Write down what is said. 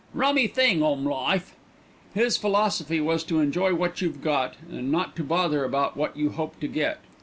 Rummy thing, 'ome life." His philosophy was to enjoy what you've got, and not to bother about what you hope to get.